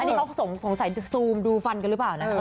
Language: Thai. นี่เขาสงสัยจะซูมดูฟันกันหรือเปล่านะคะ